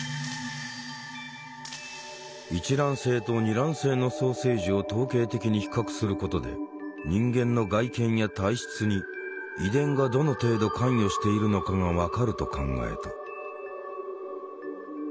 一卵性と二卵性の双生児を統計的に比較することで人間の外見や体質に遺伝がどの程度関与しているのかが分かると考えた。